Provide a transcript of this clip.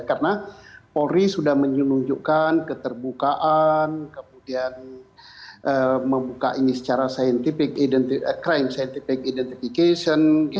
karena polri sudah menunjukkan keterbukaan kemudian membuka ini secara crime scientific identification